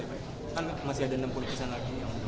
kan masih ada enam puluh pisan lagi